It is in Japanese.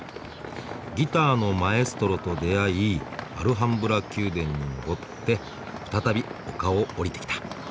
ギターのマエストロと出会いアルハンブラ宮殿に上って再び丘を下りてきた。